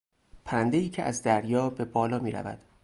پرندهای که از دریا به بالا میرود